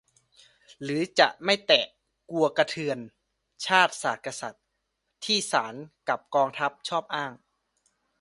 หรือจะไม่แตะ กลัวกระเทือน "ชาติ ศาสน์ กษัตริย์" ที่ศาลกับกองทัพชอบอ้าง